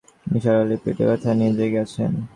নিসার আলি পেটে ব্যথা নিয়ে জেগে আছেন।